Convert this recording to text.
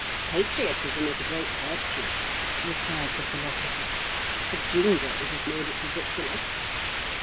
"Patriotism is a great virtue," replied the Philosopher: "the Jingoes have made it ridiculous."